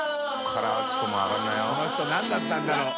この人何だったんだろう？